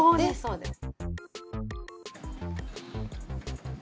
そうです。